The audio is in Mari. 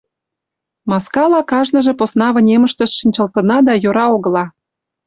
Маскала кажныже посна вынемыштышт шинчылтынада йӧра огыла.